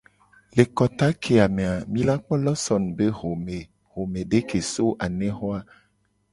Le kota keya me a, mi la kpo lawson be xome, xomede ke so anexo a.